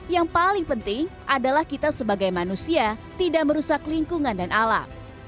yang paling penting adalah kita sebagai manusia tidak merusak lingkungan dan alam